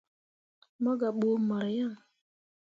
Mo gah buu mor yaŋ.